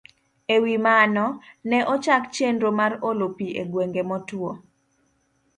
E wi mano, ne ochak chenro mar olo pi e gwenge motwo